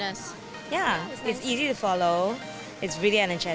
ya mudah untuk diikuti sangat menyenangkan